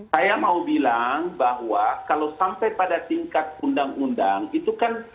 saya mau bilang bahwa kalau sampai pada tingkat undang undang itu kan